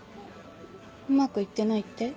うまくいってないって？